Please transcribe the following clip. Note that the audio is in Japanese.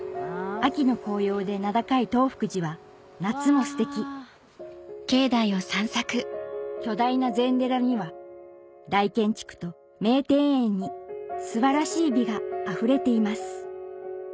秋の紅葉で名高い東福寺は夏もステキ巨大な禅寺には大建築と名庭園に素晴らしい美があふれています